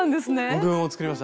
僕も作りました。